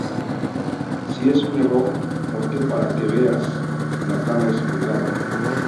Sí, es un error, porque, para que veas, la cama es mi lugar.